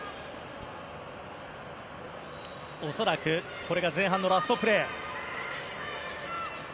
恐らくこれが前半のラストプレー。